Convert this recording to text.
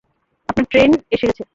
আপনার ট্রেইন এসে গেছে।